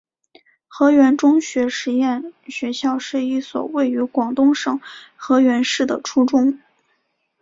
河源中学实验学校是一所位于广东省河源市的初中。